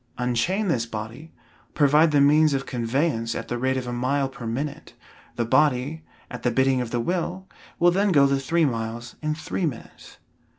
Unchain this body, provide the means of conveyance at the rate of a mile per minute, the body, at the bidding of the will, will then go the three miles in three minutes.